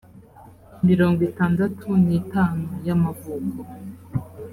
mirongo itandatu n itanu y amavuko